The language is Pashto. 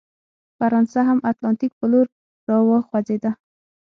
فرانسه هم اتلانتیک په لور راوخوځېده.